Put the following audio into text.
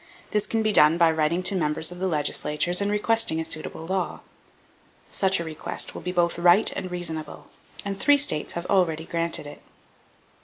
This can be done by writing to members of the legislatures and requesting a suitable law. Such a request will be both right and reasonable; and three states have already granted it.